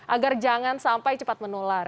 agar jangan sampai cepat menular